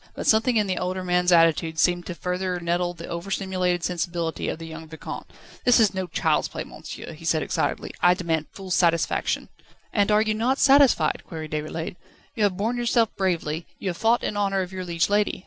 But something in the older man's attitude seemed to further nettle the over stimulated sensibility of the young Vicomte. "This is no child's play, monsieur," he said excitedly. "I demand full satisfaction." "And are you not satisfied?" queried Déroulède. "You have borne yourself bravely, you have fought in honour of your liege lady.